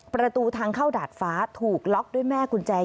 ประตูทางเข้าดาดฟ้าถูกล็อกด้วยแม่กุญแจ